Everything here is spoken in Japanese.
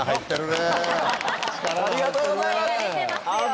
ありがとうございます！